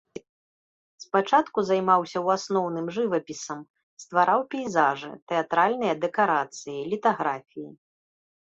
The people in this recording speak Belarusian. Спачатку займаўся ў асноўным жывапісам, ствараў пейзажы, тэатральныя дэкарацыі, літаграфіі.